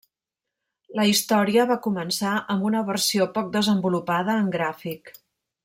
La història va començar amb una versió poc desenvolupada en gràfic.